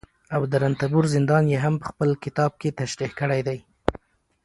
او د رنتبور زندان يې هم په خپل کتابکې تشريح کړى دي